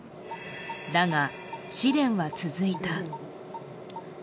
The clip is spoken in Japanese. だが、試練は続いた。